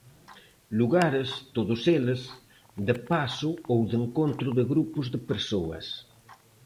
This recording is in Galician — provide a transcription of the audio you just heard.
Lugares, todos eles, de paso ou de encontro de grupos de persoas.